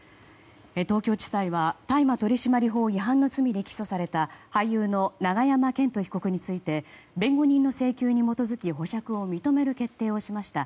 東京地裁は大麻取締法違反の罪で起訴された俳優の永山絢斗被告について弁護人の請求に基づき保釈を認める決定をしました。